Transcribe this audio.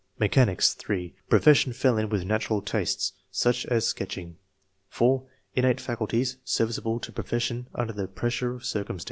Mechanics. — (3) Profession fell in with natural tastes, such as sketching. (4) Innate faculties, serviceable to profession under the pressure of circumstances.